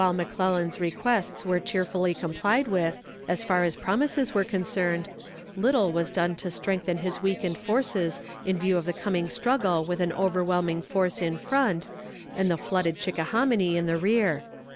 While McClellan's requests were cheerfully complied with, as far as promises were concerned, little was done to strengthen his weakened forces in view of the coming struggle with an overwhelming force in front, and the flooded Chickahominy in the rear.